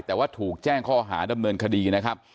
แต่ว่าถูกแจ้งข้อหาดำเนินคดีนะครับ